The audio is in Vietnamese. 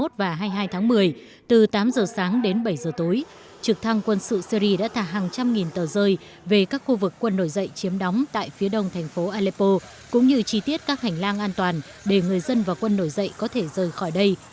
từ ngày hai mươi hai mươi một và hai mươi hai tháng một mươi từ tám giờ sáng đến bảy giờ tối trực thăng quân sự syri đã thả hàng trăm nghìn tờ rơi về các khu vực quân nổi dậy chiếm đóng tại phía đông thành phố aleppo cũng như chi tiết các hành lang an toàn để người dân và quân nổi dậy có thể rời khỏi đây